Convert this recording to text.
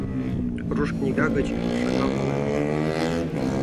Руш книга гыч шагал пален налат.